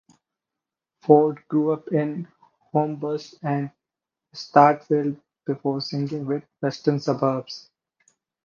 Ford grew up in Homebush and Strathfield before signing with Western Suburbs.